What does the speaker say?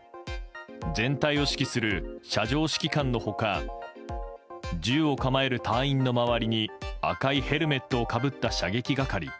全体を指揮する射場指揮官の他銃を構える隊員の周りに赤いヘルメットをかぶった射撃係。